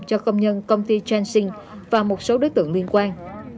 cho công nhân công ty jancing và một số đối tượng liên quan